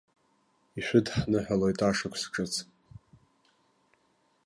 Ишәыдҳныҳәалоит ашықәс ҿыц!